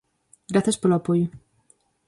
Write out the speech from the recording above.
Grazas polo apoio.